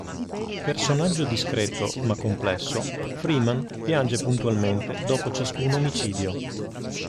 Personaggio discreto ma complesso, Freeman piange puntualmente dopo ciascun omicidio.